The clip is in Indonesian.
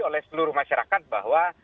oleh seluruh masyarakat bahwa